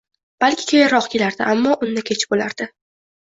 Balki, keyinroq kelardi, ammo unda kech bo‘lardi